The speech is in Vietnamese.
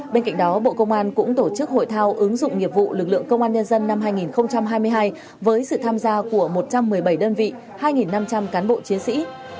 bên cạnh đó bộ công an cũng tổ chức hội thao ứng dụng nghiệp vụ lực lượng công an nhân dân năm hai nghìn hai mươi hai với sự tham gia của một trăm một mươi bảy đơn vị hai năm trăm linh cán bộ chiến sĩ